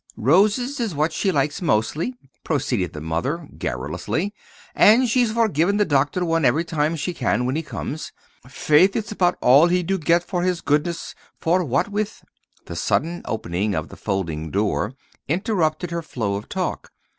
"Roses is what she likes mostly," proceeded the mother, garrulously, "and she's for giving the doctor one every time she can when he comes. Faith! it's about all he do get for his goodness, for what with " The sudden opening of the folding door interrupted her flow of talk.